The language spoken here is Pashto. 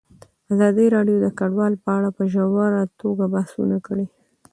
ازادي راډیو د کډوال په اړه په ژوره توګه بحثونه کړي.